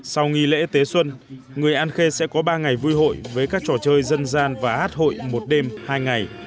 sau nghi lễ tế xuân người an khê sẽ có ba ngày vui hội với các trò chơi dân gian và hát hội một đêm hai ngày